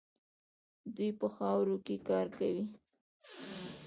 دوی په خاورو کې کار کوي.